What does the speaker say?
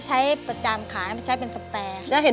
ใส่เป็นแซมแปล